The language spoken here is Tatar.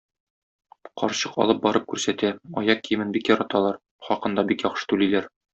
Карчык алып барып күрсәтә, аяк киемен бик яраталар, хакын да бик яхшы түлиләр.